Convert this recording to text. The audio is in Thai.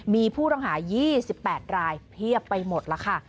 มีผู้ต้องหา๒๘รายเพียบไปหมดแล้วค่ะ